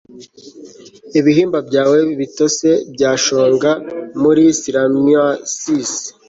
ibihimba byawe bitose byashonga muri salmacis